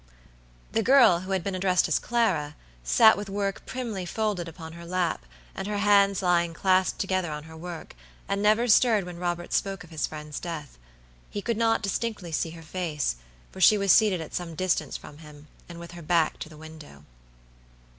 The girl who had been addressed as Clara, sat with work primly folded upon her lap, and her hands lying clasped together on her work, and never stirred when Robert spoke of his friend's death. He could not distinctly see her face, for she was seated at some distance from him, and with her back to the window.